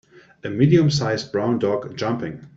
A medium sized brown dog jumping